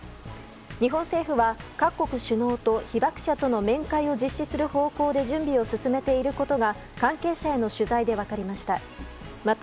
日本政府は各国首脳と被爆者との面会を実施する方向で準備を進めていることが関係者への取材で分かりました。